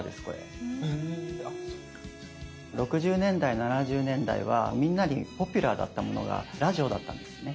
６０年代７０年代はみんなにポピュラーだったものがラジオだったんですね。